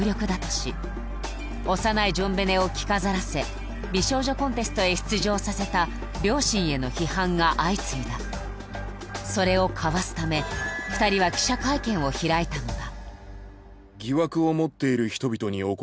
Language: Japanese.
し幼いジョンベネを着飾らせ美少女コンテストへ出場させた両親への批判が相次いだそれをかわすため２人は記者会見を開いたのだ